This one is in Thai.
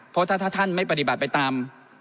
เพราะถ้าท่านไม่ปฏิบัติไปตาม